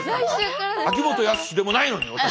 秋元康でもないのに私。